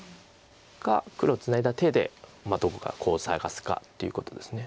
黒ツナいだ手でどこかコウを探すかっていうことです。